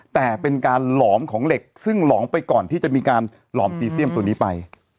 แต่เป็นการหลอมของเหล็กซึ่งหลอมไปก่อนที่จะมีการหลอมจีเซียมตัวนี้ไป